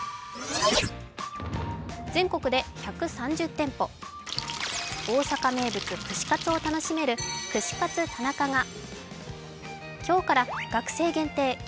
全国で１３０店舗、大阪名物、串カツを楽しめる串カツ田中が今日から学生限定